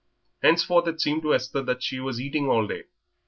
Henceforth it seemed to Esther that she was eating all day.